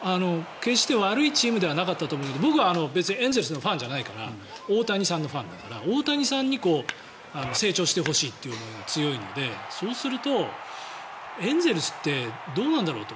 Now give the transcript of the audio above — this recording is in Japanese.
決して悪いチームではなかった僕は別にエンゼルスのファンじゃないから大谷さんのファンだから大谷さんに成長してほしいという思いが強いのでそうすると、エンゼルスってどうなんだろうと。